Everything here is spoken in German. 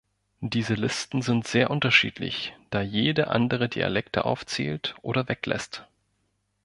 Diese Listen sind sehr unterschiedlich, da jede andere Dialekte aufzählt oder weglässt.